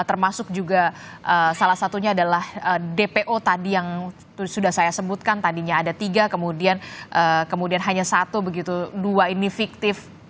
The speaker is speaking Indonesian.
termasuk juga salah satunya adalah dpo tadi yang sudah saya sebutkan tadinya ada tiga kemudian hanya satu begitu dua ini fiktif